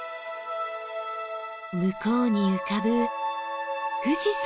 向こうに浮かぶ富士山！